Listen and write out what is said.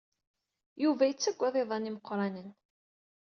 Yuba yettaggad iḍan imeqranen.